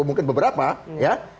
mungkin beberapa ya